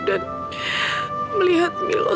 dan melihat milo